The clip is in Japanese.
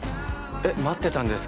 え、待ってたんですか？